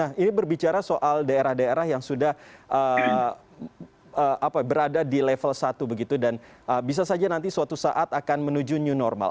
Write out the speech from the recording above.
nah ini berbicara soal daerah daerah yang sudah berada di level satu begitu dan bisa saja nanti suatu saat akan menuju new normal